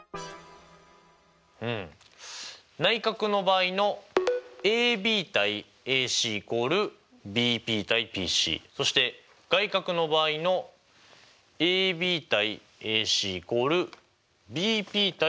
内角の場合のＡＢ：ＡＣ＝ＢＰ：ＰＣそして外角の場合のＡＢ：ＡＣ＝ＢＰ：ＰＣ